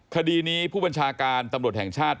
คดีนี้ผู้บัญชาการตำรวจแห่งชาติ